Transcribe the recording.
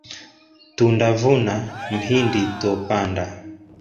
Tundavuna mhindi tuopanda.